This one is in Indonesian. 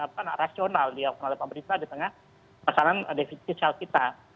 yang paling apa rasional di awal pemerintah di tengah pasangan defisit social kita